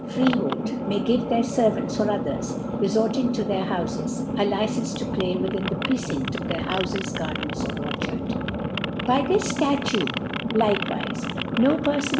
Freehold, may give * their Servants, or others^ refortlng* to their ^ Houres,.a Licence to piay within the Pre * cinft i>f their Houfes, Gardcm, or Or * diarf/ By this Statute likewife, « No Perfon *.